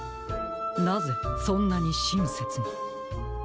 なぜそんなにしんせつに？